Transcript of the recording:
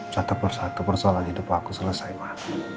satu persatu persoalan hidup aku selesai mak